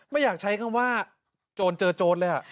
ไม่อยากใช้คำว่าโจรเจอโจรเลย